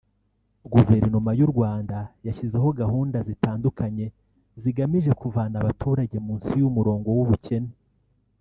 Guverinoma y’u Rwanda yashyizeho gahunda zitandukanye zigamije kuvana abaturage munsi y’umurongo w’ubukene